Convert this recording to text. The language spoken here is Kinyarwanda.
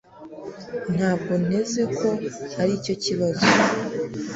Ntabwo nteze ko aricyo kibazo